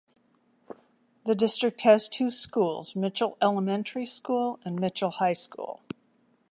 The district has two schools, Mitchell Elementary School and Mitchell High School.